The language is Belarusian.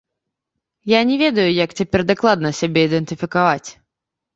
Я не ведаю, як цяпер дакладна сябе ідэнтыфікаваць.